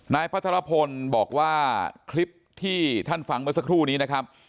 พระธรพลบอกว่าคลิปที่ท่านฟังเมื่อสักครู่นี้นะครับ